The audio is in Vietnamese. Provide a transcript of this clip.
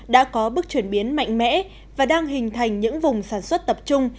đã có bước chuyển biến mạnh mẽ và đang hình thành những vùng sản xuất tập trung